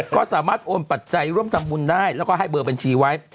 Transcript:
ก็สามารถโอนปัจจัยร่วมทำบุญได้แล้วก็ให้เบอร์บัญชีไว้